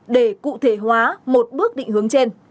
để cụ thể hóa một bước định hướng trên